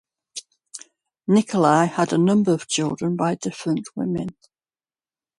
Nikolai had a number of children by different women.